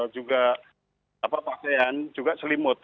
juga pakaian selimut